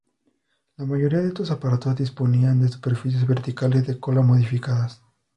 La mayoría de estos aparatos disponían de superficies verticales de cola modificadas.